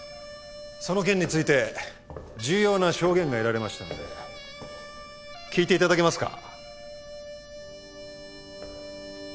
その件について重要な証言が得られましたので聞いて頂けますか？